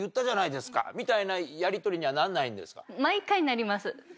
みたいなやりとりにはならないんですか？